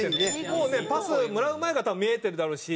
もうねパスもらう前から多分見えてるだろうし。